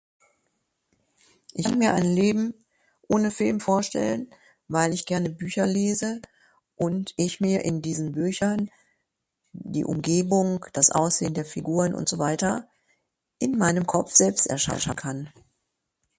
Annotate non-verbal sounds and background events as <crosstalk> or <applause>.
Ich <unintelligible> Leben ohne Film vorstellen, weil ich gerne Bücher lese und ich mir in diesen Büchern, die Umgebung, das Aussehen der Figuren und so weiter, in meinem Kopf selbst <unintelligible> erschaffen kann.